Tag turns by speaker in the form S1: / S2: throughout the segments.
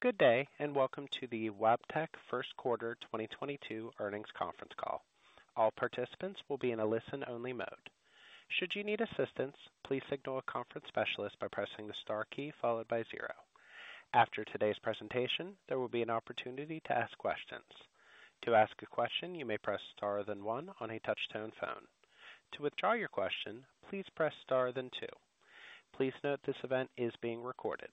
S1: Good day, and welcome to the Wabtec First Quarter 2022 Earnings Conference Call. All participants will be in a listen-only mode. Should you need assistance, please signal a conference specialist by pressing the star key followed by zero. After today's presentation, there will be an opportunity to ask questions. To ask a question, you may press star then one on a touch-tone phone. To withdraw your question, please press star then two. Please note this event is being recorded.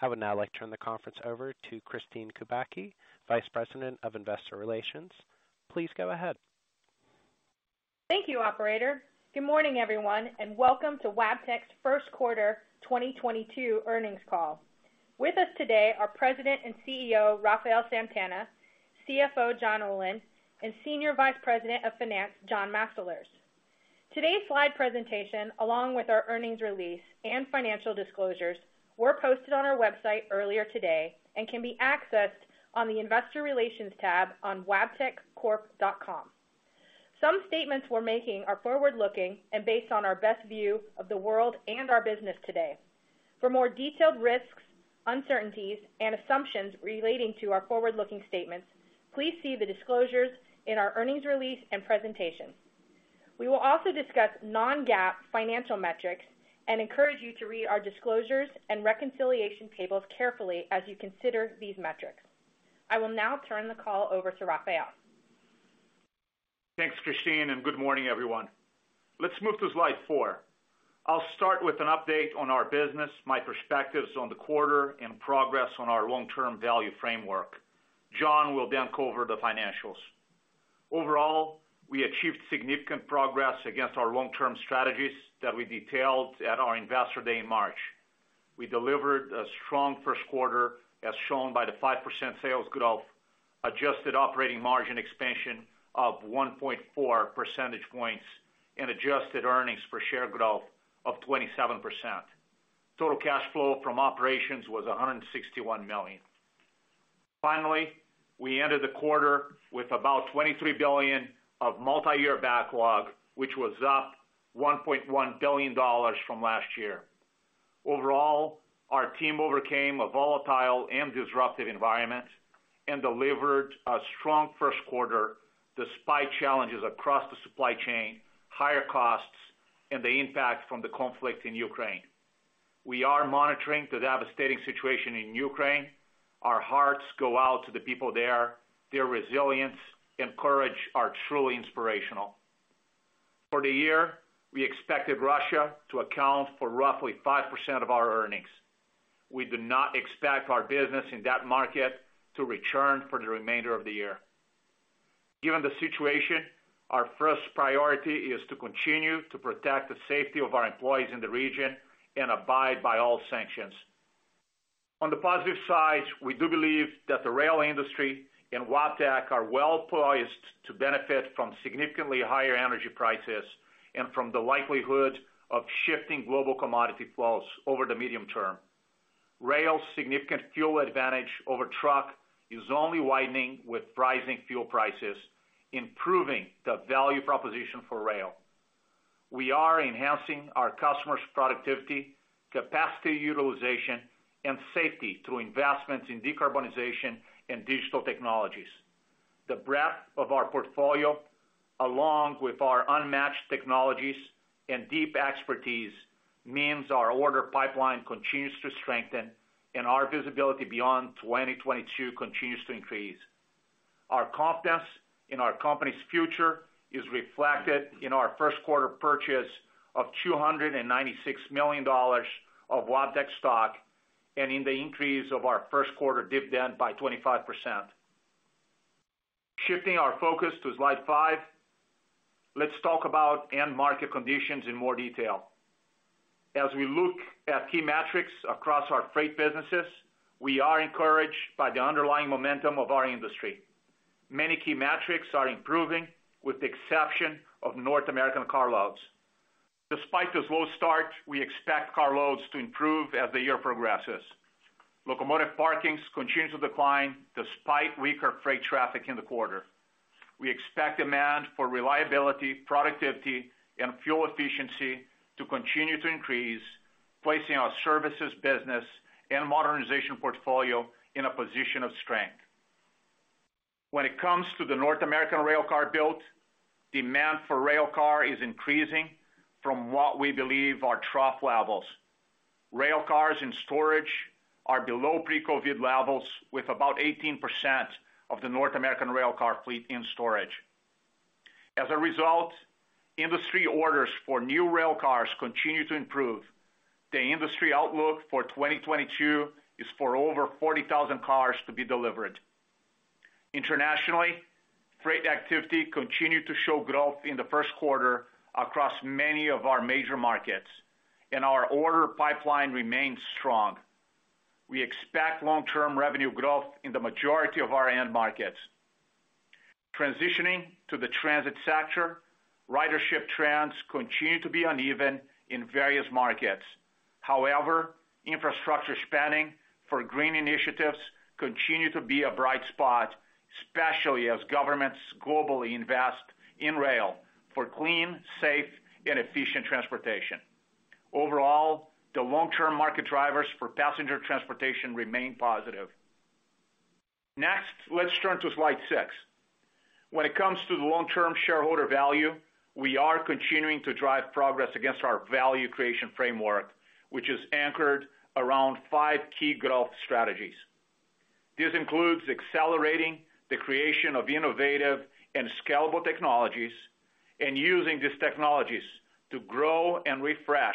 S1: I would now like to turn the conference over to Kristine Kubacki, Vice President of Investor Relations. Please go ahead.
S2: Thank you, operator. Good morning, everyone, and welcome to Wabtec's First Quarter 2022 Earnings Call. With us today are President and CEO Rafael Santana, CFO John Olin, and Senior Vice President of Finance John Mastalerz. Today's slide presentation, along with our earnings release and financial disclosures, were posted on our website earlier today and can be accessed on the Investor Relations tab on wabteccorp.com. Some statements we're making are forward-looking and based on our best view of the world and our business today. For more detailed risks, uncertainties, and assumptions relating to our forward-looking statements, please see the disclosures in our earnings release and presentation. We will also discuss non-GAAP financial metrics and encourage you to read our disclosures and reconciliation tables carefully as you consider these metrics. I will now turn the call over to Rafael.
S3: Thanks, Kristine, and good morning, everyone. Let's move to slide four. I'll start with an update on our business, my perspectives on the quarter and progress on our long-term value framework. John will then cover the financials. Overall, we achieved significant progress against our long-term strategies that we detailed at our Investor Day in March. We delivered a strong first quarter, as shown by the 5% sales growth, adjusted operating margin expansion of 1.4 percentage points, and adjusted earnings per share growth of 27%. Total cash flow from operations was $161 million. Finally, we ended the quarter with about $23 billion of multi-year backlog, which was up $1.1 billion from last year. Overall, our team overcame a volatile and disruptive environment and delivered a strong first quarter despite challenges across the supply chain, higher costs, and the impact from the conflict in Ukraine. We are monitoring the devastating situation in Ukraine. Our hearts go out to the people there. Their resilience and courage are truly inspirational. For the year, we expected Russia to account for roughly 5% of our earnings. We do not expect our business in that market to return for the remainder of the year. Given the situation, our first priority is to continue to protect the safety of our employees in the region and abide by all sanctions. On the positive side, we do believe that the rail industry and Wabtec are well-poised to benefit from significantly higher energy prices and from the likelihood of shifting global commodity flows over the medium term. Rail's significant fuel advantage over truck is only widening with rising fuel prices, improving the value proposition for rail. We are enhancing our customers' productivity, capacity utilization, and safety through investments in decarbonization and digital technologies. The breadth of our portfolio, along with our unmatched technologies and deep expertise, means our order pipeline continues to strengthen, and our visibility beyond 2022 continues to increase. Our confidence in our company's future is reflected in our first quarter purchase of $296 million of Wabtec stock and in the increase of our first quarter dividend by 25%. Shifting our focus to slide five, let's talk about end market conditions in more detail. As we look at key metrics across our freight businesses, we are encouraged by the underlying momentum of our industry. Many key metrics are improving with the exception of North American carloads. Despite the slow start, we expect carloads to improve as the year progresses. Locomotive parkings continue to decline despite weaker freight traffic in the quarter. We expect demand for reliability, productivity, and fuel efficiency to continue to increase, placing our services business and modernization portfolio in a position of strength. When it comes to the North American railcar build, demand for railcars is increasing from what we believe are trough levels. Railcars in storage are below pre-COVID levels, with about 18% of the North American railcar fleet in storage. As a result, industry orders for new railcars continue to improve. The industry outlook for 2022 is for over 40,000 cars to be delivered. Internationally, freight activity continued to show growth in the first quarter across many of our major markets, and our order pipeline remains strong. We expect long-term revenue growth in the majority of our end markets. Transitioning to the transit sector, ridership trends continue to be uneven in various markets. However, infrastructure spending for green initiatives continue to be a bright spot, especially as governments globally invest in rail for clean, safe, and efficient transportation. Overall, the long-term market drivers for passenger transportation remain positive. Next, let's turn to slide six. When it comes to the long-term shareholder value, we are continuing to drive progress against our value creation framework, which is anchored around five key growth strategies. This includes accelerating the creation of innovative and scalable technologies and using these technologies to grow and refresh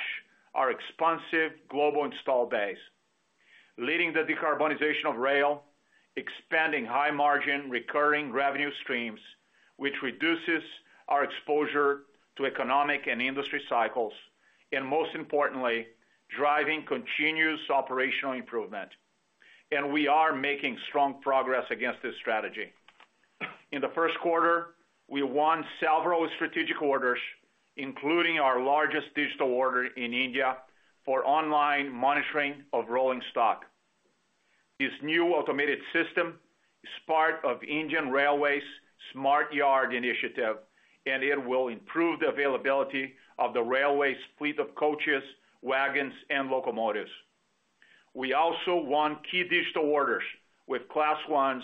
S3: our expansive global install base, leading the decarbonization of rail, expanding high margin recurring revenue streams, which reduces our exposure to economic and industry cycles, and most importantly, driving continuous operational improvement. We are making strong progress against this strategy. In the first quarter, we won several strategic orders, including our largest digital order in India for online monitoring of rolling stock. This new automated system is part of Indian Railways's Smart Yard initiative, and it will improve the availability of the railway's fleet of coaches, wagons, and locomotives. We also won key digital orders with Class Ones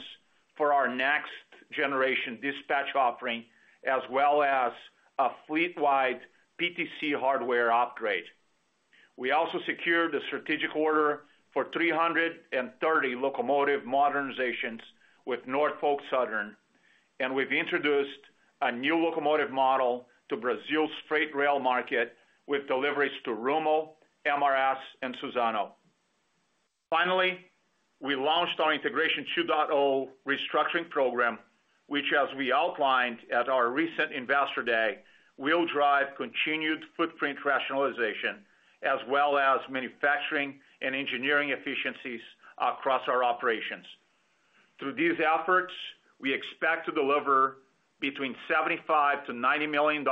S3: for our next generation dispatch offering, as well as a fleet-wide PTC hardware upgrade. We also secured a strategic order for 330 locomotive modernizations with Norfolk Southern, and we've introduced a new locomotive model to Brazil's freight rail market with deliveries to Rumo, MRS, and Suzano. Finally, we launched our Integration 2.0 restructuring program, which as we outlined at our recent Investor Day, will drive continued footprint rationalization as well as manufacturing and engineering efficiencies across our operations. Through these efforts, we expect to deliver between $75 million-$90 million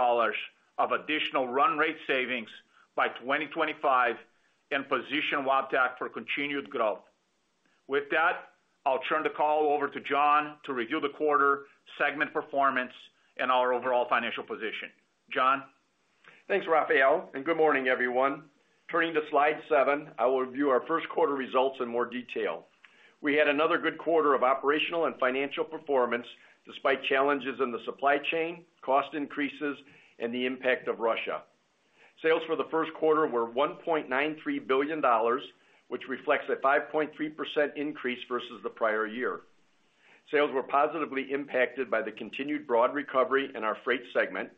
S3: of additional run rate savings by 2025 and position Wabtec for continued growth. With that, I'll turn the call over to John to review the quarter, segment performance, and our overall financial position. John?
S4: Thanks, Rafael, and good morning, everyone. Turning to slide seven, I will review our first quarter results in more detail. We had another good quarter of operational and financial performance despite challenges in the supply chain, cost increases, and the impact of Russia. Sales for the first quarter were $1.93 billion, which reflects a 5.3% increase versus the prior year. Sales were positively impacted by the continued broad recovery in our Freight segment,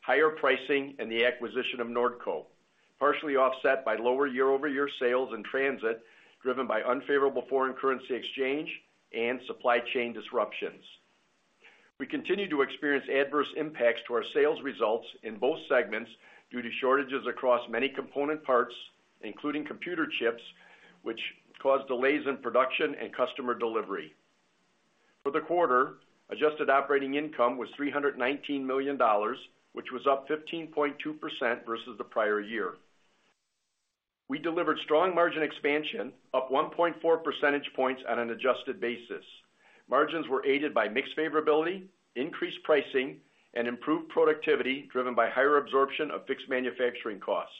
S4: higher pricing, and the acquisition of Nordco, partially offset by lower year-over-year sales in transit, driven by unfavorable foreign currency exchange and supply chain disruptions. We continue to experience adverse impacts to our sales results in both segments due to shortages across many component parts, including computer chips, which cause delays in production and customer delivery. For the quarter, adjusted operating income was $319 million, which was up 15.2% versus the prior year. We delivered strong margin expansion, up 1.4 percentage points on an adjusted basis. Margins were aided by mix favorability, increased pricing, and improved productivity driven by higher absorption of fixed manufacturing costs,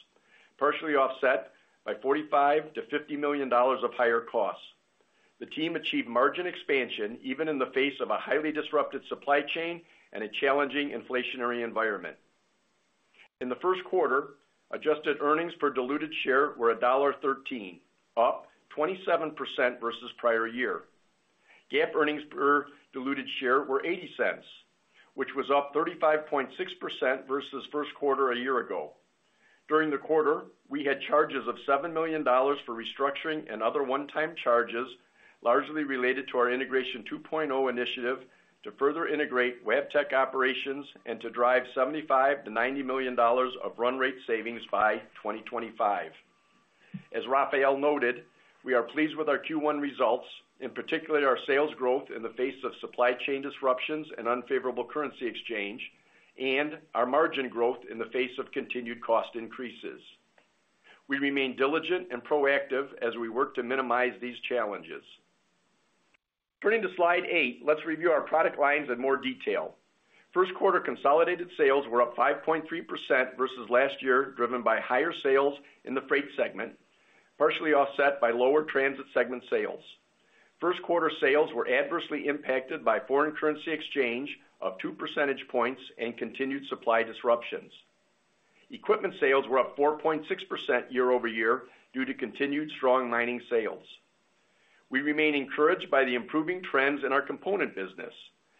S4: partially offset by $45 million-$50 million of higher costs. The team achieved margin expansion even in the face of a highly disrupted supply chain and a challenging inflationary environment. In the first quarter, adjusted earnings per diluted share were $1.13, up 27% versus prior year. GAAP earnings per diluted share were $0.80, which was up 35.6% versus first quarter a year ago. During the quarter, we had charges of $7 million for restructuring and other one-time charges, largely related to our Integration 2.0 initiative to further integrate Wabtec operations and to drive $75 million-$90 million of run rate savings by 2025. As Rafael noted, we are pleased with our Q1 results, in particular our sales growth in the face of supply chain disruptions and unfavorable currency exchange and our margin growth in the face of continued cost increases. We remain diligent and proactive as we work to minimize these challenges. Turning to slide eight, let's review our product lines in more detail. First quarter consolidated sales were up 5.3% versus last year, driven by higher sales in the Freight segment, partially offset by lower transit segment sales. First quarter sales were adversely impacted by foreign currency exchange of two percentage points and continued supply disruptions. Equipment sales were up 4.6% year-over-year due to continued strong mining sales. We remain encouraged by the improving trends in our component business.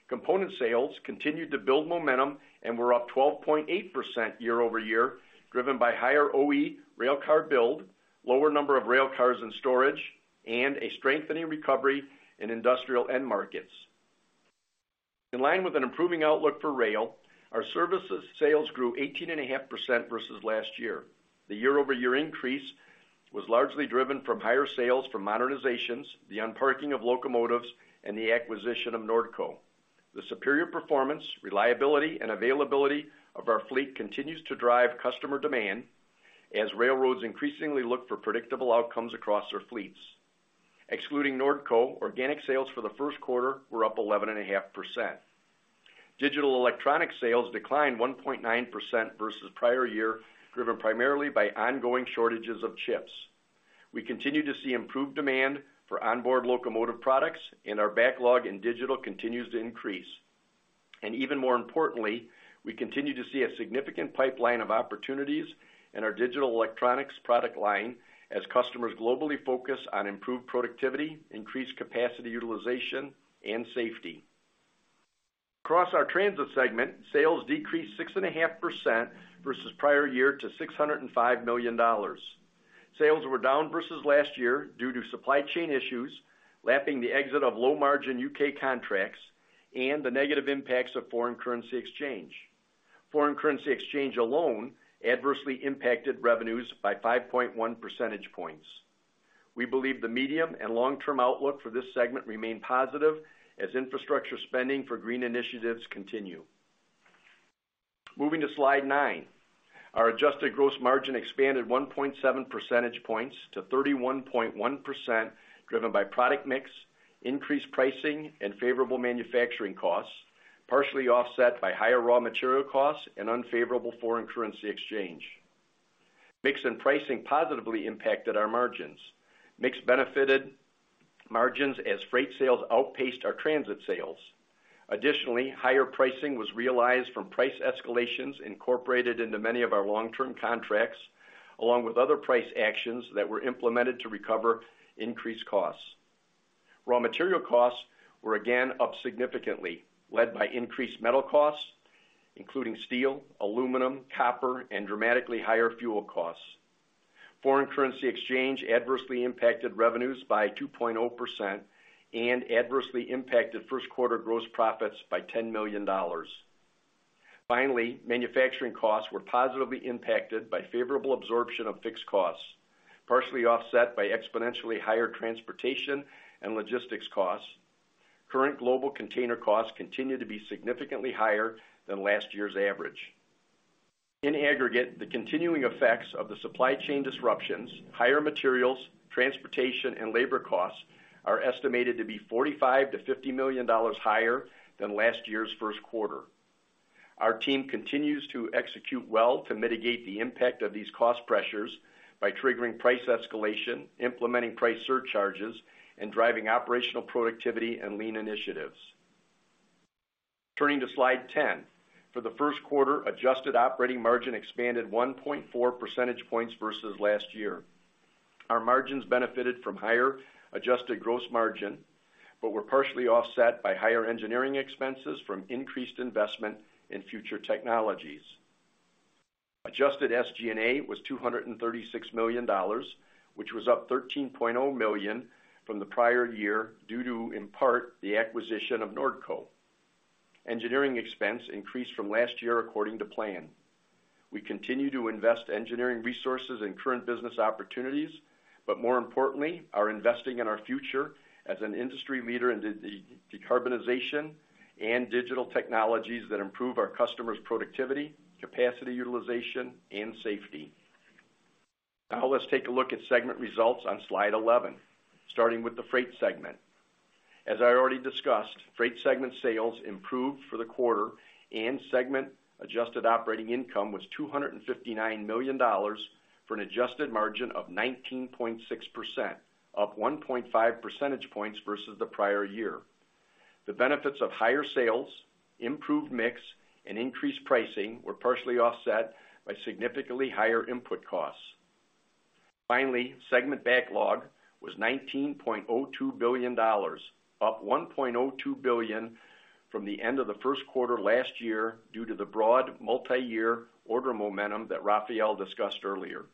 S4: Component sales continued to build momentum and were up 12.8% year-over-year, driven by higher OE railcar build, lower number of railcars in storage, and a strengthening recovery in industrial end markets. In line with an improving outlook for rail, our services sales grew 18.5% versus last year. The year-over-year increase was largely driven from higher sales from modernizations, the unparking of locomotives, and the acquisition of Nordco. The superior performance, reliability, and availability of our fleet continues to drive customer demand as railroads increasingly look for predictable outcomes across their fleets. Excluding Nordco, organic sales for the first quarter were up 11.5%. Digital electronic sales declined 1.9% versus prior year, driven primarily by ongoing shortages of chips. We continue to see improved demand for onboard locomotive products, and our backlog in digital continues to increase. Even more importantly, we continue to see a significant pipeline of opportunities in our digital electronics product line as customers globally focus on improved productivity, increased capacity utilization, and safety. Across our transit segment, sales decreased 6.5% versus prior year to $605 million. Sales were down versus last year due to supply chain issues, lapping the exit of low-margin U.K. contracts, and the negative impacts of foreign currency exchange. Foreign currency exchange alone adversely impacted revenues by 5.1 percentage points. We believe the medium and long-term outlook for this segment remain positive as infrastructure spending for green initiatives continue. Moving to slide nine. Our adjusted gross margin expanded 1.7 percentage points to 31.1%, driven by product mix, increased pricing, and favorable manufacturing costs, partially offset by higher raw material costs and unfavorable foreign currency exchange. Mix and pricing positively impacted our margins. Mix benefited margins as freight sales outpaced our transit sales. Additionally, higher pricing was realized from price escalations incorporated into many of our long-term contracts, along with other price actions that were implemented to recover increased costs. Raw material costs were again up significantly, led by increased metal costs, including steel, aluminum, copper, and dramatically higher fuel costs. Foreign currency exchange adversely impacted revenues by 2.0% and adversely impacted first quarter gross profits by $10 million. Finally, manufacturing costs were positively impacted by favorable absorption of fixed costs, partially offset by exponentially higher transportation and logistics costs. Current global container costs continue to be significantly higher than last year's average. In aggregate, the continuing effects of the supply chain disruptions, higher materials, transportation, and labor costs are estimated to be $45 million-$50 million higher than last year's first quarter. Our team continues to execute well to mitigate the impact of these cost pressures by triggering price escalation, implementing price surcharges, and driving operational productivity and lean initiatives. Turning to slide 10. For the first quarter, adjusted operating margin expanded 1.4 percentage points versus last year. Our margins benefited from higher adjusted gross margin, but were partially offset by higher engineering expenses from increased investment in future technologies. Adjusted SG&A was $236 million, which was up $13.0 million from the prior year due to, in part, the acquisition of Nordco. Engineering expense increased from last year according to plan. We continue to invest engineering resources in current business opportunities, but more importantly, are investing in our future as an industry leader in the decarbonization and digital technologies that improve our customers' productivity, capacity utilization, and safety. Now let's take a look at segment results on slide 11, starting with the Freight segment. As I already discussed, Freight segment sales improved for the quarter and segment adjusted operating income was $259 million for an adjusted margin of 19.6%, up 1.5 percentage points versus the prior year. The benefits of higher sales, improved mix, and increased pricing were partially offset by significantly higher input costs. Finally, segment backlog was $19.02 billion, up $1.02 billion from the end of the first quarter last year due to the broad multiyear order momentum that Rafael discussed earlier.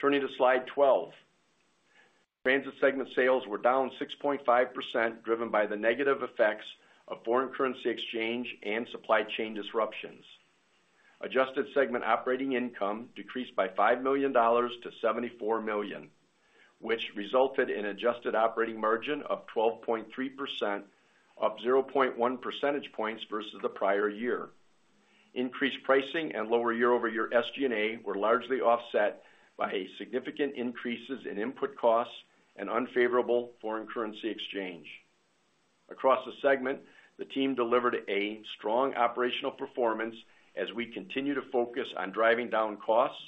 S4: Turning to slide 12. Transit segment sales were down 6.5%, driven by the negative effects of foreign currency exchange and supply chain disruptions. Adjusted segment operating income decreased by $5 million to $74 million, which resulted in adjusted operating margin of 12.3%, up 0.1 percentage points versus the prior year. Increased pricing and lower year-over-year SG&A were largely offset by significant increases in input costs and unfavorable foreign currency exchange. Across the segment, the team delivered a strong operational performance as we continue to focus on driving down costs,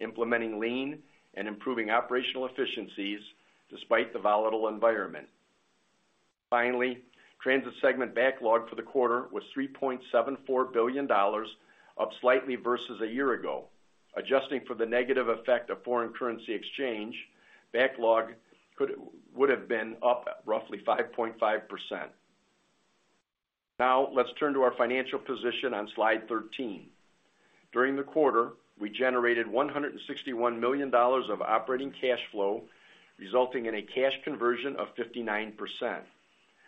S4: implementing lean, and improving operational efficiencies despite the volatile environment. Finally, transit segment backlog for the quarter was $3.74 billion, up slightly versus a year ago. Adjusting for the negative effect of foreign currency exchange, backlog would have been up roughly 5.5%. Now let's turn to our financial position on slide 13. During the quarter, we generated $161 million of operating cash flow, resulting in a cash conversion of 59%.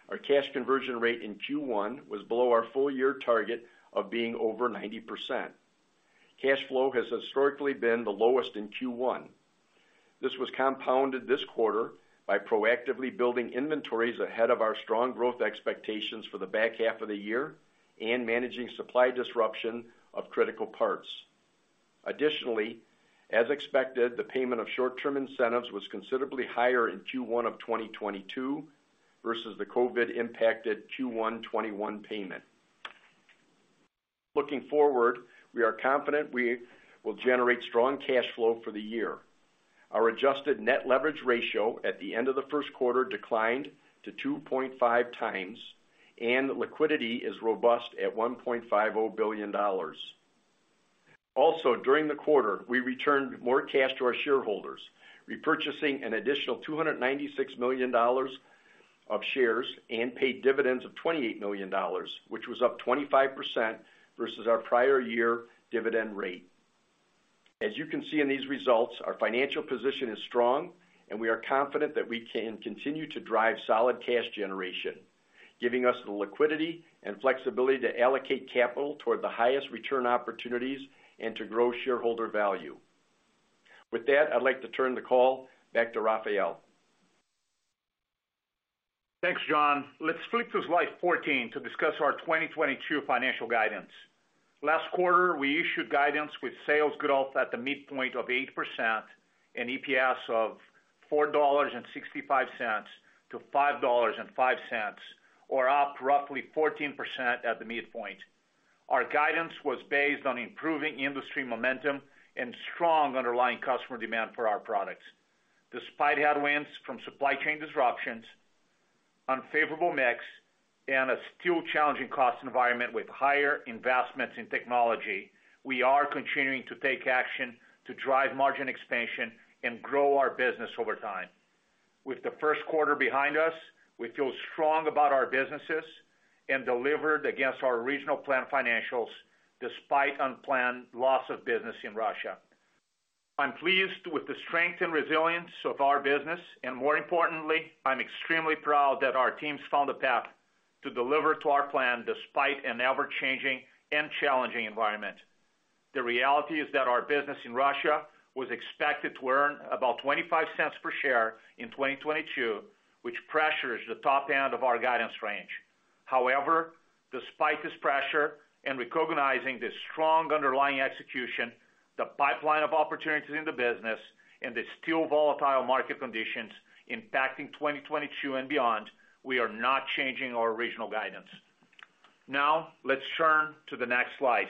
S4: Our cash conversion rate in Q1 was below our full-year target of being over 90%. Cash flow has historically been the lowest in Q1. This was compounded this quarter by proactively building inventories ahead of our strong growth expectations for the back half of the year and managing supply disruption of critical parts. Additionally, as expected, the payment of short-term incentives was considerably higher in Q1 of 2022 versus the COVID impacted Q1 2021 payment. Looking forward, we are confident we will generate strong cash flow for the year. Our adjusted net leverage ratio at the end of the first quarter declined to 2.5x, and liquidity is robust at $1.5 billion. Also, during the quarter, we returned more cash to our shareholders, repurchasing an additional $296 million of shares and paid dividends of $28 million, which was up 25% versus our prior year dividend rate. As you can see in these results, our financial position is strong and we are confident that we can continue to drive solid cash generation, giving us the liquidity and flexibility to allocate capital toward the highest return opportunities and to grow shareholder value. With that, I'd like to turn the call back to Rafael.
S3: Thanks, John. Let's flip to slide 14 to discuss our 2022 financial guidance. Last quarter, we issued guidance with sales growth at the midpoint of 8% and EPS of $4.65-$5.05, or up roughly 14% at the midpoint. Our guidance was based on improving industry momentum and strong underlying customer demand for our products. Despite headwinds from supply chain disruptions, unfavorable mix, and a still challenging cost environment with higher investments in technology, we are continuing to take action to drive margin expansion and grow our business over time. With the first quarter behind us, we feel strong about our businesses and delivered against our regional plan financials despite unplanned loss of business in Russia. I'm pleased with the strength and resilience of our business, and more importantly, I'm extremely proud that our teams found a path to deliver to our plan despite an ever-changing and challenging environment. The reality is that our business in Russia was expected to earn about $0.25 per share in 2022, which pressures the top end of our guidance range. However, despite this pressure and recognizing the strong underlying execution, the pipeline of opportunities in the business and the still volatile market conditions impacting 2022 and beyond, we are not changing our regional guidance. Now let's turn to the next slide.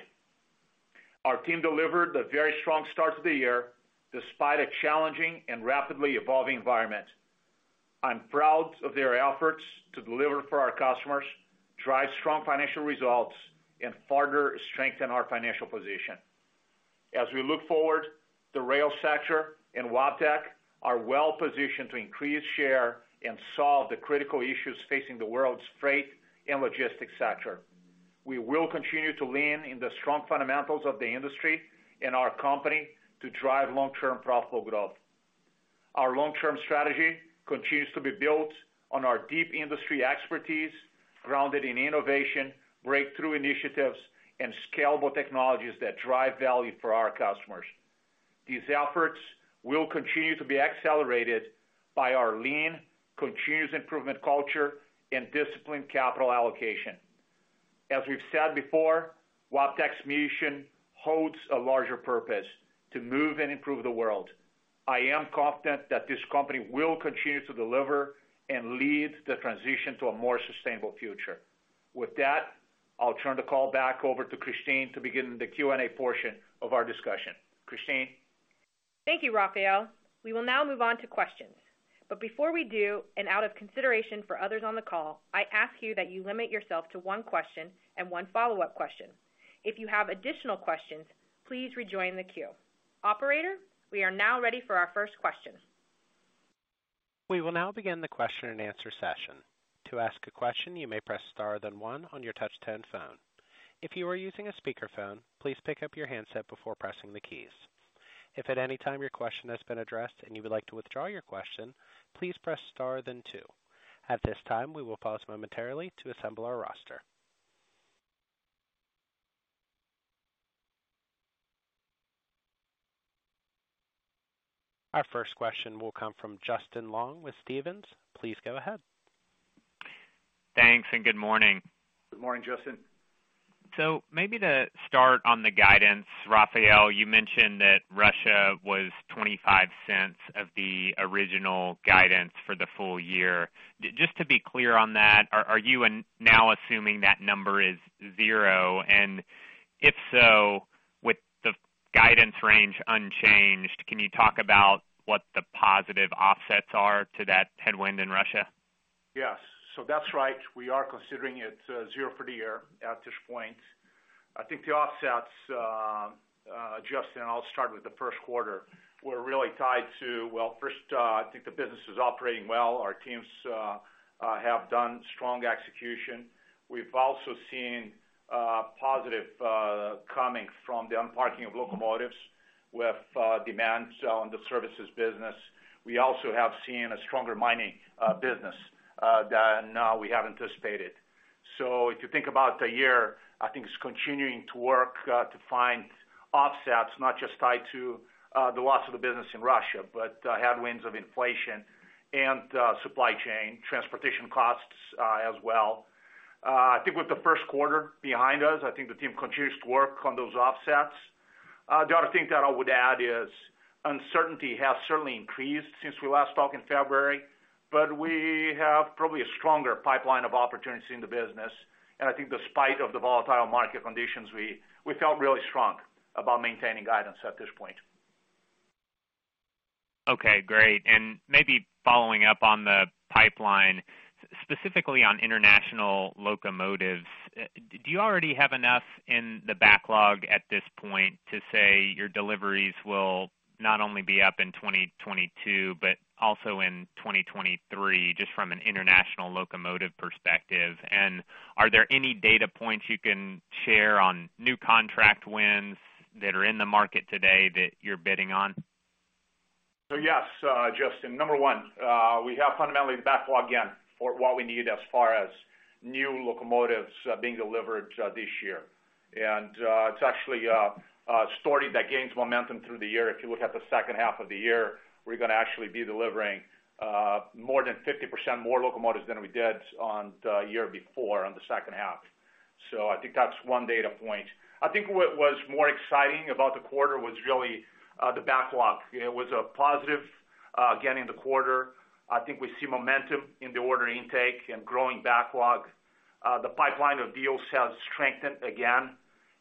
S3: Our team delivered a very strong start to the year despite a challenging and rapidly evolving environment. I'm proud of their efforts to deliver for our customers, drive strong financial results, and further strengthen our financial position. As we look forward, the rail sector and Wabtec are well positioned to increase share and solve the critical issues facing the world's freight and logistics sector. We will continue to lean in the strong fundamentals of the industry and our company to drive long-term profitable growth. Our long-term strategy continues to be built on our deep industry expertise, grounded in innovation, breakthrough initiatives, and scalable technologies that drive value for our customers. These efforts will continue to be accelerated by our lean, continuous improvement culture and disciplined capital allocation. As we've said before, Wabtec's mission holds a larger purpose to move and improve the world. I am confident that this company will continue to deliver and lead the transition to a more sustainable future. With that, I'll turn the call back over to Kristine to begin the Q&A portion of our discussion. Kristine?
S2: Thank you, Rafael. We will now move on to questions. Before we do, and out of consideration for others on the call, I ask you that you limit yourself to one question and one follow-up question. If you have additional questions, please rejoin the queue. Operator, we are now ready for our first question.
S1: We will now begin the question and answer session. To ask a question, you may press star then one on your touch-tone phone. If you are using a speakerphone, please pick up your handset before pressing the keys. If at any time your question has been addressed and you would like to withdraw your question, please press star then two. At this time, we will pause momentarily to assemble our roster. Our first question will come from Justin Long with Stephens. Please go ahead.
S5: Thanks and good morning.
S3: Good morning, Justin.
S5: Maybe to start on the guidance, Rafael, you mentioned that Russia was $0.25 of the original guidance for the full year. Just to be clear on that, are you now assuming that number is zero? If so, with the guidance range unchanged, can you talk about what the positive offsets are to that headwind in Russia?
S3: Yes. That's right. We are considering it, zero for the year at this point. I think the offsets, Justin, I'll start with the first quarter. Well, first, I think the business is operating well. Our teams have done strong execution. We've also seen positive coming from the unparking of locomotives with demands on the services business. We also have seen a stronger mining business than we had anticipated. If you think about the year, I think it's continuing to work to find offsets, not just tied to the loss of the business in Russia, but headwinds of inflation and supply chain, transportation costs, as well. I think with the first quarter behind us, I think the team continues to work on those offsets. The other thing that I would add is uncertainty has certainly increased since we last talked in February, but we have probably a stronger pipeline of opportunities in the business. I think despite of the volatile market conditions, we felt really strong about maintaining guidance at this point.
S5: Okay, great. Maybe following up on the pipeline, specifically on international locomotives, do you already have enough in the backlog at this point to say your deliveries will not only be up in 2022 but also in 2023, just from an international locomotive perspective? Are there any data points you can share on new contract wins that are in the market today that you're bidding on?
S3: Yes, Justin, number one, we have fundamentally the backlog in for what we need as far as new locomotives being delivered this year. It's actually a story that gains momentum through the year. If you look at the second half of the year, we're gonna actually be delivering more than 50% more locomotives than we did in the year before in the second half. I think that's one data point. I think what was more exciting about the quarter was really the backlog. It was a positive gain in the quarter. I think we see momentum in the order intake and growing backlog. The pipeline of deals has strengthened again,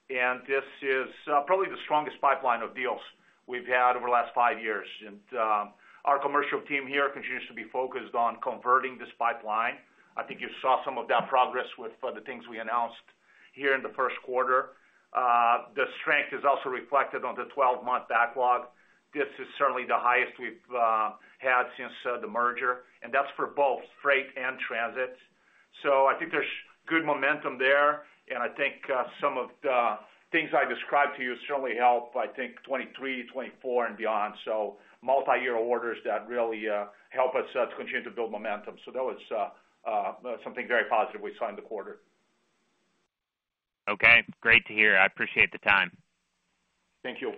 S3: and this is probably the strongest pipeline of deals we've had over the last five years. Our commercial team here continues to be focused on converting this pipeline. I think you saw some of that progress with the things we announced here in the first quarter. The strength is also reflected on the 12-month backlog. This is certainly the highest we've had since the merger, and that's for both freight and transit. I think there's good momentum there, and I think some of the things I described to you certainly help, I think 2023, 2024 and beyond. Multiyear orders that really help us to continue to build momentum. That was something very positive we saw in the quarter.
S5: Okay, great to hear. I appreciate the time.
S3: Thank you.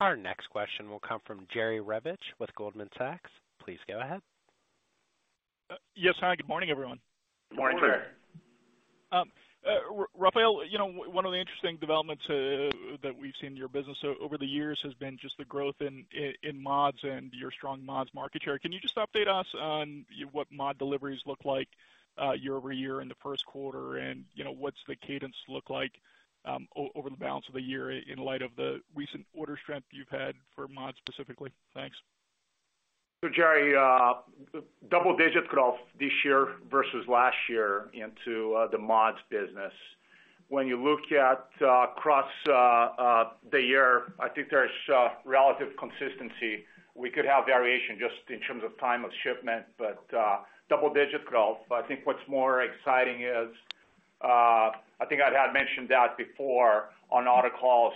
S1: Our next question will come from Jerry Revich with Goldman Sachs. Please go ahead.
S6: Yes. Hi, good morning, everyone.
S3: Good morning, sir.
S6: Rafael, you know, one of the interesting developments that we've seen in your business over the years has been just the growth in mods and your strong mods market share. Can you just update us on what mod deliveries look like year-over-year in the first quarter? You know, what's the cadence look like over the balance of the year in light of the recent order strength you've had for mods specifically? Thanks.
S3: Jerry, double digits growth this year versus last year into the mods business. When you look at across the year, I think there's relative consistency. We could have variation just in terms of time of shipment, but double digits growth. I think what's more exciting is, I think I had mentioned that before on other calls.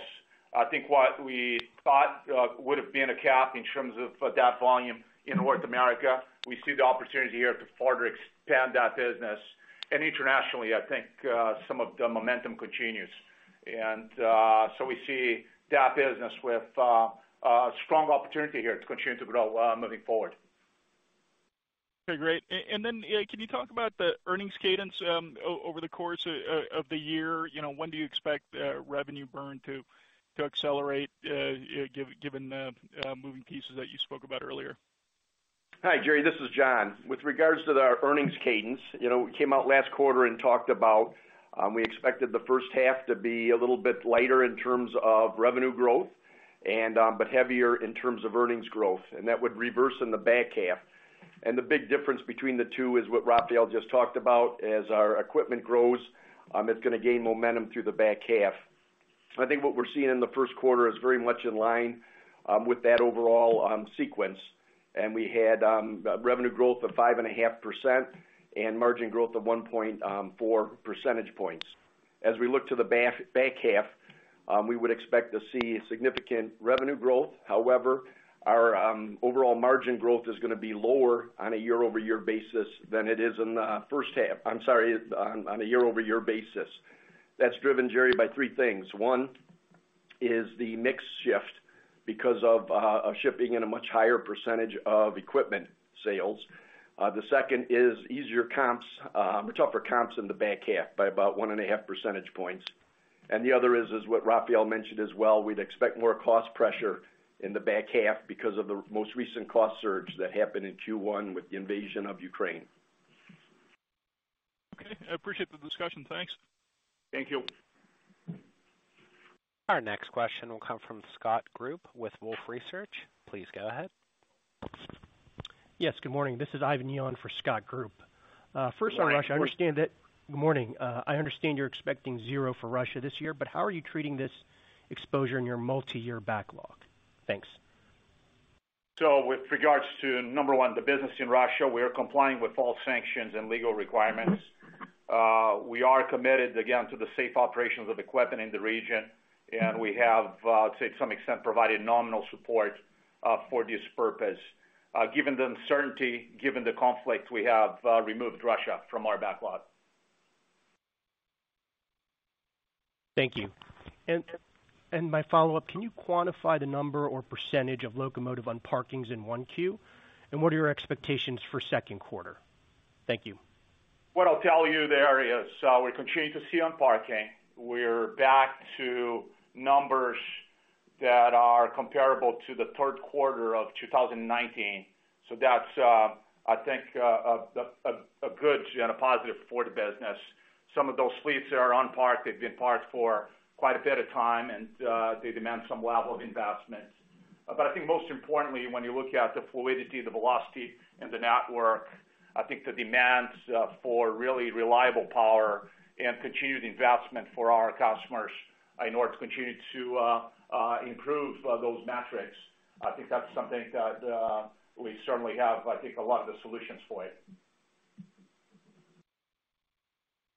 S3: I think what we thought would have been a cap in terms of that volume in North America, we see the opportunity here to further expand that business. Internationally, I think some of the momentum continues. We see that business with a strong opportunity here to continue to grow moving forward.
S6: Okay, great. And then, yeah, can you talk about the earnings cadence over the course of the year? You know, when do you expect revenue burn to accelerate given the moving pieces that you spoke about earlier?
S4: Hi, Jerry, this is John. With regards to our earnings cadence, you know, we came out last quarter, and talked about we expected the first half to be a little bit lighter in terms of revenue growth and but heavier in terms of earnings growth, and that would reverse in the back half. The big difference between the two is what Rafael just talked about. As our equipment grows, it's gonna gain momentum through the back half. I think what we're seeing in the first quarter is very much in line with that overall sequence. We had revenue growth of 5.5% and margin growth of 1.4 percentage points. As we look to the back half, we would expect to see significant revenue growth. However, our overall margin growth is gonna be lower on a year-over-year basis than it is in the first half. I'm sorry, on a year-over-year basis. That's driven, Jerry, by three things. One is the mix shift because of us shipping in a much higher percentage of equipment sales. The second is tougher comps in the back half by about 1.5 percentage points. The other is what Rafael mentioned as well, we'd expect more cost pressure in the back half because of the most recent cost surge that happened in Q1 with the invasion of Ukraine.
S6: Okay. I appreciate the discussion. Thanks.
S3: Thank you.
S1: Our next question will come from Scott Group with Wolfe Research. Please go ahead.
S7: Yes, good morning. This is Ivan Yi for Scott Group. First on Russia, I understand that-
S3: Morning.
S7: Good morning. I understand you're expecting zero for Russia this year, but how are you treating this exposure in your multi-year backlog? Thanks.
S3: With regards to, number one, the business in Russia, we are complying with all sanctions and legal requirements. We are committed again to the safe operations of equipment in the region, and we have, to some extent, provided nominal support, for this purpose. Given the uncertainty, given the conflict, we have, removed Russia from our backlog.
S7: Thank you. My follow-up, can you quantify the number or percentage of locomotive on parkings in Q1? What are your expectations for second quarter? Thank you.
S4: What I'll tell you there is, we continue to see on parking. We're back to numbers that are comparable to the third quarter of 2019. That's, I think, a good and a positive for the business. Some of those fleets that are on park, they've been parked for quite a bit of time, and they demand some level of investment. I think most importantly, when you look at the fluidity, the velocity in the network, I think the demands for really reliable power and continued investment for our customers in order to continue to improve those metrics, I think that's something that we certainly have, I think, a lot of the solutions for it.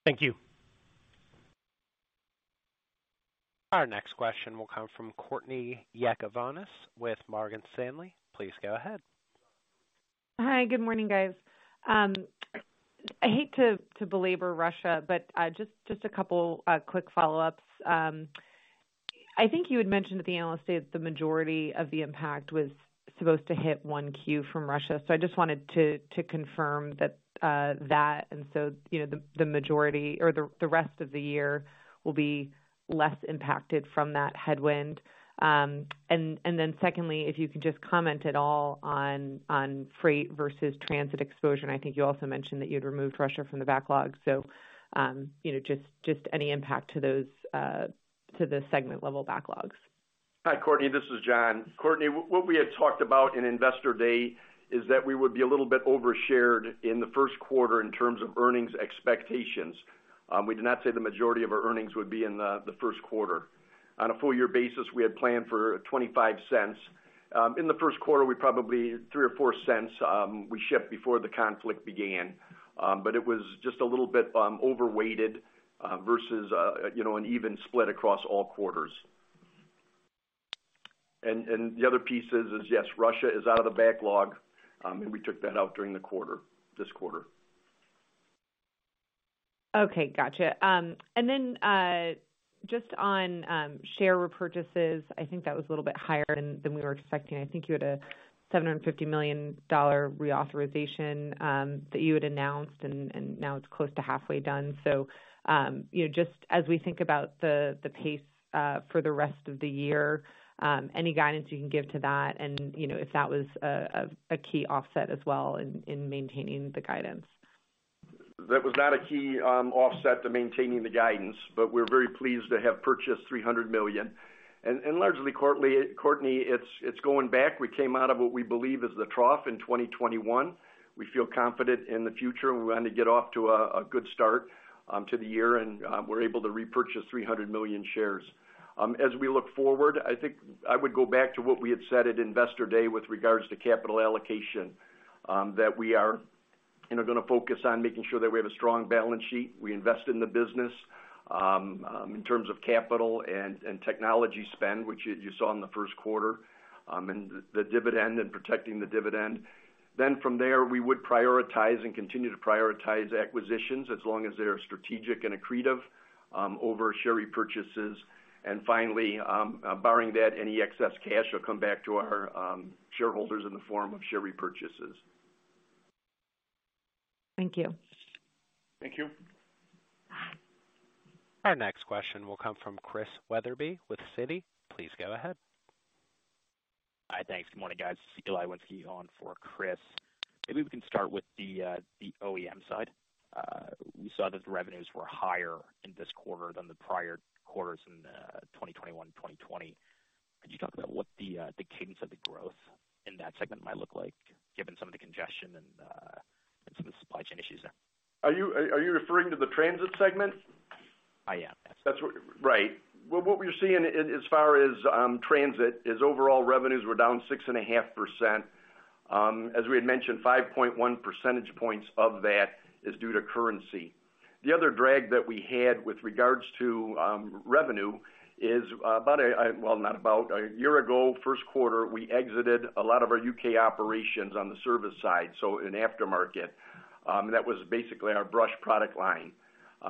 S7: Thank you.
S1: Our next question will come from Courtney Yakavonis with Morgan Stanley. Please go ahead.
S8: Hi, good morning, guys. I hate to belabor Russia, but just a couple quick follow-ups. I think you had mentioned at the analyst day that the majority of the impact was supposed to hit Q1 from Russia. I just wanted to confirm that and so, you know, the majority or the rest of the year will be less impacted from that headwind. Then secondly, if you could just comment at all on freight versus transit exposure. I think you also mentioned that you had removed Russia from the backlog. You know, just any impact to those to the segment level backlogs.
S4: Hi, Courtney. This is John. Courtney, what we had talked about in Investor Day is that we would be a little bit overshared in the first quarter in terms of earnings expectations. We did not say the majority of our earnings would be in the first quarter. On a full year basis, we had planned for $0.25. In the first quarter, we probably $0.03 or $0.04, we shipped before the conflict began, but it was just a little bit overweighted versus you know an even split across all quarters. The other piece is yes, Russia is out of the backlog, and we took that out during the quarter, this quarter.
S8: Okay, gotcha. Then just on share repurchases, I think that was a little bit higher than we were expecting. I think you had a $750 million reauthorization that you had announced, and now it's close to halfway done. You know, just as we think about the pace for the rest of the year, any guidance you can give to that and, you know, if that was a key offset as well in maintaining the guidance.
S4: That was not a key offset to maintaining the guidance, but we're very pleased to have purchased 300 million. Largely, Courtney, it's going back. We came out of what we believe is the trough in 2021. We feel confident in the future, and we wanted to get off to a good start to the year, and we're able to repurchase 300 million shares. As we look forward, I think I would go back to what we had said at Investor Day with regards to capital allocation, that we are, you know, gonna focus on making sure that we have a strong balance sheet, we invest in the business, in terms of capital and technology spend, which you saw in the first quarter, and the dividend and protecting the dividend. From there, we would prioritize and continue to prioritize acquisitions as long as they're strategic and accretive over share repurchases. Finally, barring that, any excess cash will come back to our shareholders in the form of share repurchases.
S8: Thank you.
S4: Thank you.
S1: Our next question will come from Chris Wetherbee with Citi. Please go ahead.
S9: Hi. Thanks. Good morning, guys. Eli Winski on for Chris. Maybe we can start with the OEM side. We saw that the revenues were higher in this quarter than the prior quarters in 2021, 2020. Could you talk about what the cadence of the growth in that segment might look like, given some of the congestion and some of the supply chain issues there?
S4: Are you referring to the Transit segment?
S9: I am.
S4: Right. Well, what we're seeing as far as transit is overall revenues were down 6.5%. As we had mentioned, 5.1 percentage points of that is due to currency. The other drag that we had with regards to revenue is, well, not about, a year ago, first quarter, we exited a lot of our U.K. operations on the service side, so in aftermarket, that was basically our Brush product line.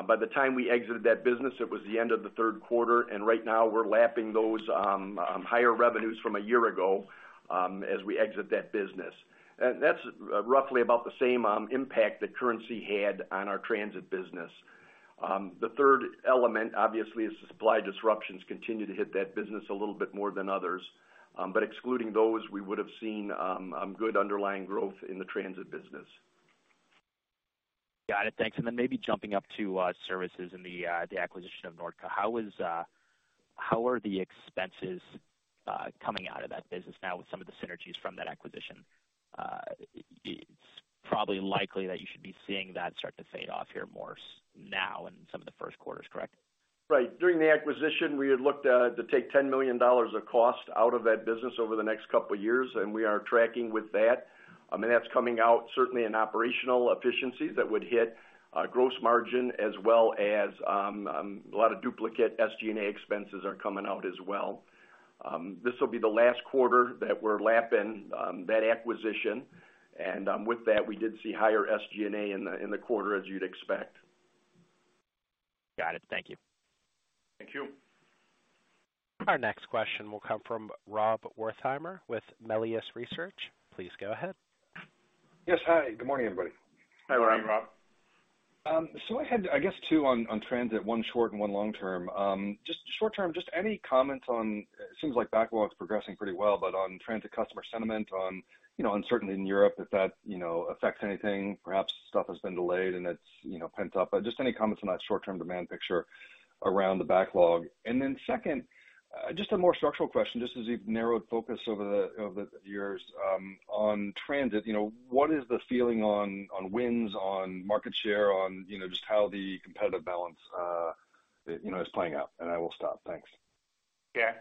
S4: By the time we exited that business, it was the end of the third quarter, and right now we're lapping those higher revenues from a year ago as we exit that business. That's roughly about the same impact that currency had on our transit business. The third element, obviously, is the supply disruptions continue to hit that business a little bit more than others. Excluding those, we would have seen good underlying growth in the transit business.
S9: Got it. Thanks. Maybe jumping up to services and the acquisition of Nordco. How are the expenses coming out of that business now with some of the synergies from that acquisition? It's probably likely that you should be seeing that start to fade off here more so now in some of the first quarters, correct?
S4: Right. During the acquisition, we had looked to take $10 million of cost out of that business over the next couple of years, and we are tracking with that. I mean, that's coming out certainly in operational efficiencies that would hit gross margin as well as a lot of duplicate SG&A expenses are coming out as well.
S3: This will be the last quarter that we're lapping that acquisition. With that, we did see higher SG&A in the quarter, as you'd expect.
S9: Got it. Thank you.
S3: Thank you.
S1: Our next question will come from Rob Wertheimer with Melius Research. Please go ahead.
S10: Yes. Hi, good morning, everybody.
S3: Hi, Rob.
S4: Morning, Rob.
S10: I had, I guess two on transit, one short and one long-term. Just short term, just any comment on it seems like backlog's progressing pretty well, but on transit customer sentiment on, you know, uncertainty in Europe, if that, you know, affects anything, perhaps stuff has been delayed and it's, you know, pent up. Just any comments on that short-term demand picture around the backlog. Then second, just a more structural question, just as you've narrowed focus over the years on transit. You know, what is the feeling on wins, on market share, on, you know, just how the competitive balance is playing out? I will stop. Thanks.
S3: Yeah.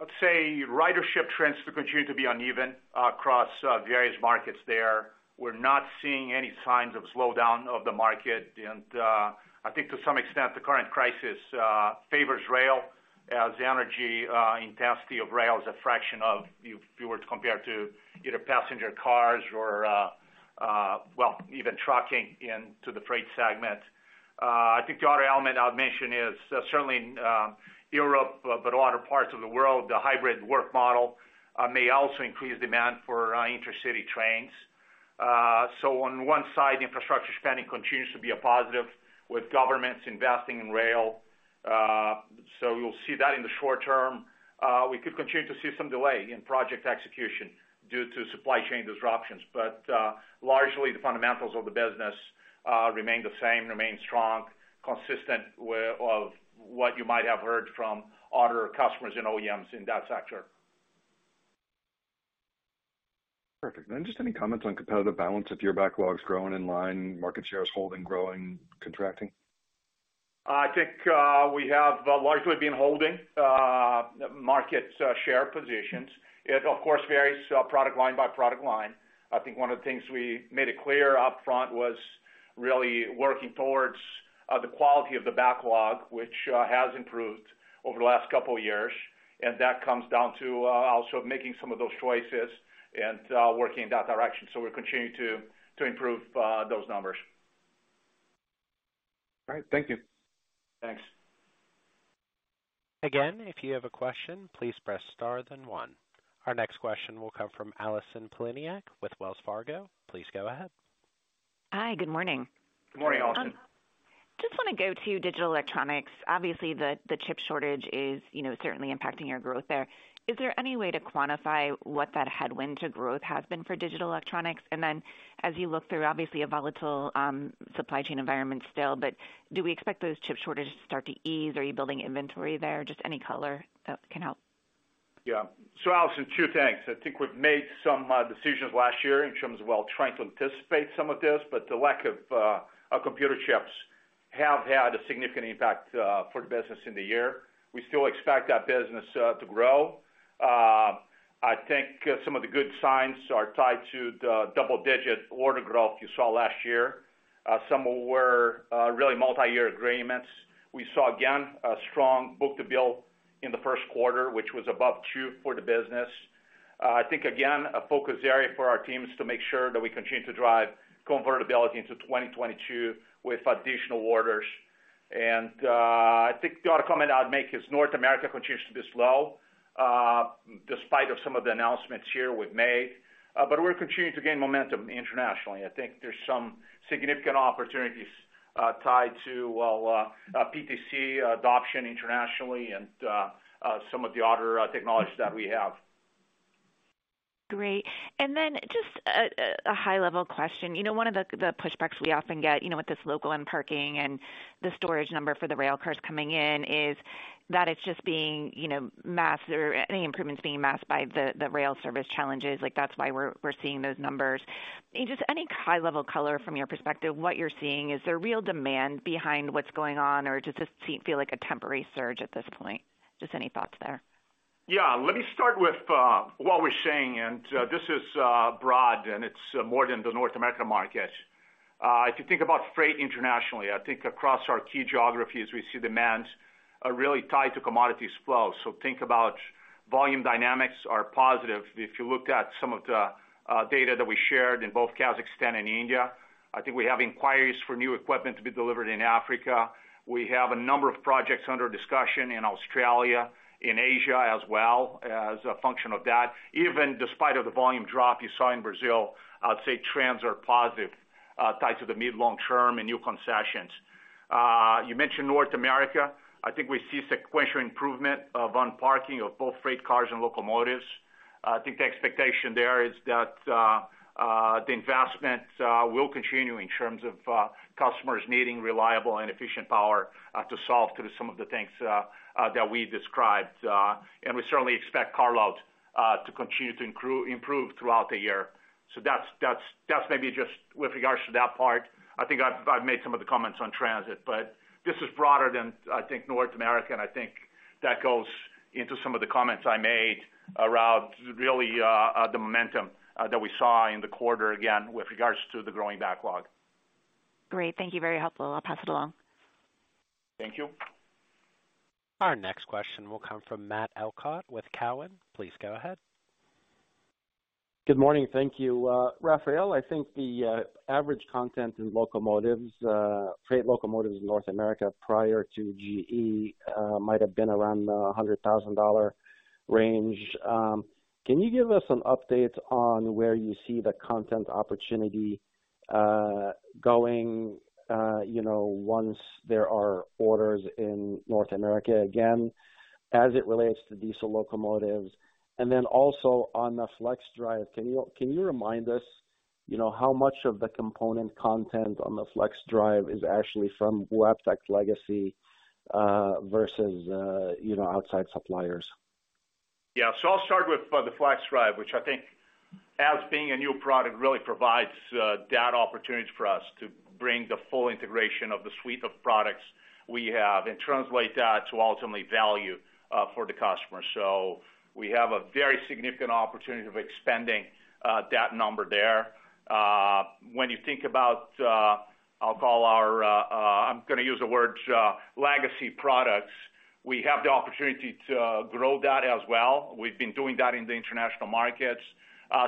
S3: I'd say ridership trends continue to be uneven across various markets there. We're not seeing any signs of slowdown of the market. I think to some extent, the current crisis favors rail as the energy intensity of rail is a fraction of if you were to compare to either passenger cars or well, even trucking into the Freight segment. I think the other element I'd mention is certainly in Europe, but a lot of parts of the world, the hybrid work model may also increase demand for intercity trains. On one side, infrastructure spending continues to be a positive with governments investing in rail. We'll see that in the short term. We could continue to see some delay in project execution due to supply chain disruptions, but largely the fundamentals of the business remain the same, strong, consistent with what you might have heard from other customers and OEMs in that sector.
S10: Perfect. Just any comments on competitive balance if your backlog's growing in line, market share is holding, growing, contracting?
S3: I think we have largely been holding market share positions. It of course varies product line by product line. I think one of the things we made it clear up front was really working towards the quality of the backlog which has improved over the last couple of years. That comes down to also making some of those choices and working in that direction. We're continuing to improve those numbers.
S10: All right. Thank you.
S3: Thanks.
S1: Again, if you have a question, please press star then one. Our next question will come from Allison Poliniak-Cusic with Wells Fargo. Please go ahead.
S11: Hi. Good morning.
S3: Good morning, Allison.
S11: Just wanna go to Digital Electronics. Obviously, the chip shortage is, you know, certainly impacting your growth there. Is there any way to quantify what that headwind to growth has been for Digital Electronics? As you look through obviously a volatile supply chain environment still, but do we expect those chip shortages to start to ease? Are you building inventory there? Just any color that can help.
S3: Yeah. Allison, two things. I think we've made some decisions last year in terms of, well, trying to anticipate some of this, but the lack of computer chips have had a significant impact for the business in the year. We still expect that business to grow. I think some of the good signs are tied to the double-digit order growth you saw last year. Some were really multi-year agreements. We saw, again, a strong book-to-bill in the first quarter, which was above two for the business. I think again, a focus area for our team is to make sure that we continue to drive convertibility into 2022 with additional orders. I think the other comment I'd make is North America continues to be slow despite of some of the announcements here with May. We're continuing to gain momentum internationally. I think there's some significant opportunities tied to, well, PTC adoption internationally and some of the other technologies that we have.
S11: Great. Just a high-level question. You know, one of the pushbacks we often get, you know, with this local and parking and the storage number for the rail cars coming in is that it's just being, you know, masked or any improvements being masked by the rail service challenges, like that's why we're seeing those numbers. Just any high-level color from your perspective, what you're seeing. Is there real demand behind what's going on, or does this seem feel like a temporary surge at this point? Just any thoughts there.
S3: Yeah. Let me start with what we're seeing, and this is broad, and it's more than the North American market. If you think about freight internationally, I think across our key geographies, we see demands are really tied to commodities flow. So think about volume dynamics are positive. If you looked at some of the data that we shared in both Kazakhstan and India, I think we have inquiries for new equipment to be delivered in Africa. We have a number of projects under discussion in Australia, in Asia as well, as a function of that. Even despite of the volume drop you saw in Brazil, I'd say trends are positive, tied to the mid, long term and new concessions. You mentioned North America. I think we see sequential improvement of on parking of both freight cars and locomotives. I think the expectation there is that the investment will continue in terms of customers needing reliable and efficient power to solve some of the things that we described. We certainly expect carloads to continue to improve throughout the year. That's maybe just with regards to that part. I think I've made some of the comments on transit, but this is broader than, I think, North America, and I think that goes into some of the comments I made around really the momentum that we saw in the quarter again, with regards to the growing backlog.
S11: Great. Thank you. Very helpful. I'll pass it along.
S3: Thank you.
S1: Our next question will come from Matt Elkott with Cowen. Please go ahead.
S12: Good morning. Thank you. Rafael, I think the average content in locomotives, freight locomotives in North America prior to GE, might have been around $100,000 range. Can you give us an update on where you see the content opportunity going, you know, once there are orders in North America, again, as it relates to diesel locomotives? Also on the FLXdrive, can you remind us, you know, how much of the component content on the FLXdrive is actually from Wabtec legacy versus you know, outside suppliers?
S3: I'll start with the FLXdrive, which I think as being a new product, really provides data opportunities for us to bring the full integration of the suite of products we have and translate that to ultimately value for the customer. We have a very significant opportunity of expanding that number there. When you think about, I'll call our legacy products, we have the opportunity to grow that as well. We've been doing that in the international markets.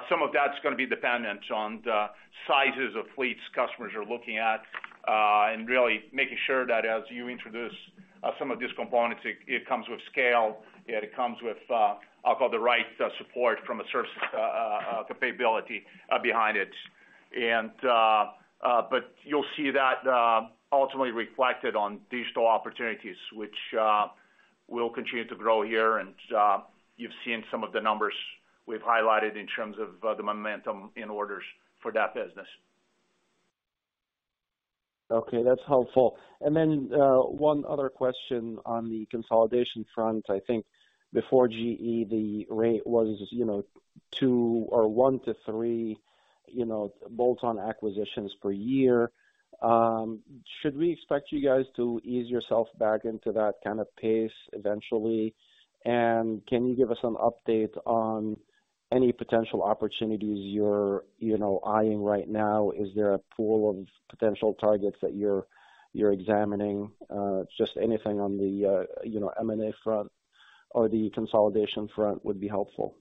S3: Some of that's gonna be dependent on the sizes of fleets customers are looking at, and really making sure that as you introduce some of these components, it comes with scale, yet it comes with I'll call the right support from a service capability behind it. You'll see that ultimately reflected on digital opportunities, which will continue to grow here. You've seen some of the numbers we've highlighted in terms of the momentum in orders for that business.
S12: Okay. That's helpful. One other question on the consolidation front. I think before GE, the rate was, you know, two or one to three, you know, bolt-on acquisitions per year. Should we expect you guys to ease yourself back into that kind of pace eventually? Can you give us an update on any potential opportunities you're, you know, eyeing right now? Is there a pool of potential targets that you're examining? Just anything on the, you know, M&A front or the consolidation front would be helpful.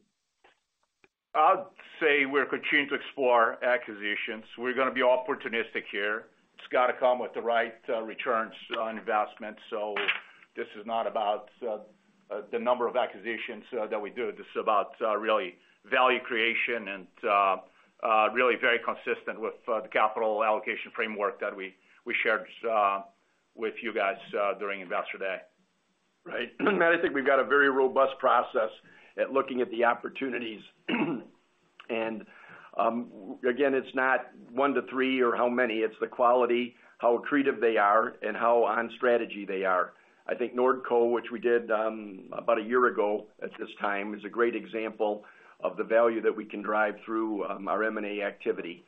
S3: I'd say we're continuing to explore acquisitions. We're gonna be opportunistic here. It's gotta come with the right returns on investment. This is not about the number of acquisitions that we do. This is about really value creation and really very consistent with the capital allocation framework that we shared with you guys during Investor Day.
S4: Right. Matt, I think we've got a very robust process at looking at the opportunities. Again, it's not one to three or how many, it's the quality, how accretive they are and how on strategy they are. I think Nordco, which we did, about a year ago at this time, is a great example of the value that we can drive through, our M&A activity.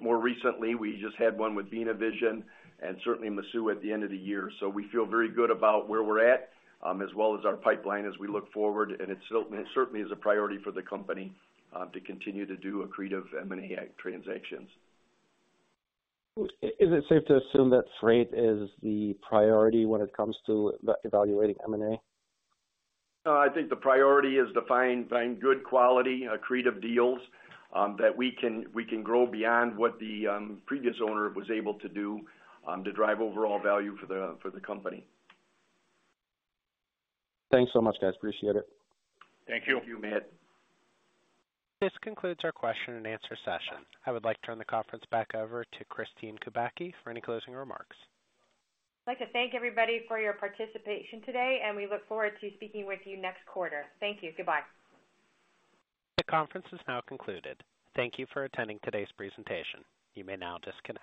S4: More recently, we just had one with Beena Vision and certainly MASU at the end of the year. We feel very good about where we're at, as well as our pipeline as we look forward, and it certainly is a priority for the company, to continue to do accretive M&A transactions.
S12: Is it safe to assume that freight is the priority when it comes to evaluating M&A?
S4: No, I think the priority is to find good quality, accretive deals that we can grow beyond what the previous owner was able to do to drive overall value for the company.
S12: Thanks so much, guys. Appreciate it.
S3: Thank you.
S4: Thank you, Matt.
S1: This concludes our question and answer session. I would like to turn the conference back over to Kristine Kubacki for any closing remarks.
S2: I'd like to thank everybody for your participation today, and we look forward to speaking with you next quarter. Thank you. Goodbye.
S1: The conference is now concluded. Thank you for attending today's presentation. You may now disconnect.